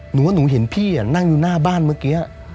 หนูว่าหนูเห็นพี่นั่งอยู่หน้าบ้านเมื่อกี้